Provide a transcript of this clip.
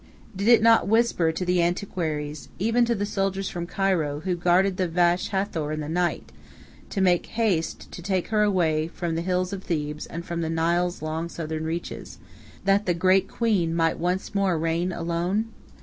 Did it not whisper to the antiquaries, even to the soldiers from Cairo, who guarded the Vache Hathor in the night, to make haste to take her away far from the hills of Thebes and from the Nile's long southern reaches, that the great queen might once more reign alone?